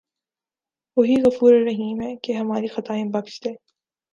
وہی غفورالرحیم ہے کہ ہماری خطائیں بخش دے